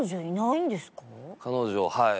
彼女はい。